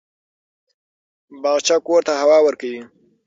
باغچه کور ته هوا ورکوي.